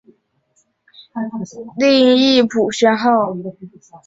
另译朴宣浩。